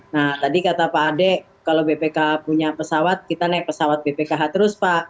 nah tadi kata pak ade kalau bpk punya pesawat kita naik pesawat bpkh terus pak